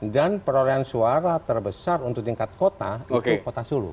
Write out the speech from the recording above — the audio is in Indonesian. dan perolahan suara terbesar untuk tingkat kota itu kota solo